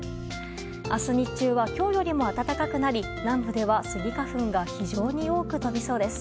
明日日中は今日よりも暖かくなり南部では、スギ花粉が非常に多く飛びそうです。